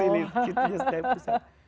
lidah setajam pisau